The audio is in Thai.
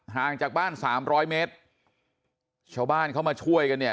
ห่างจากบ้านสามร้อยเมตรชาวบ้านเข้ามาช่วยกันเนี่ย